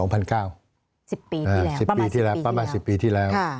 ๑๐ปีที่แล้วประมาณ๑๐ปีที่แล้วค่ะค่ะประมาณ๑๐ปีที่แล้ว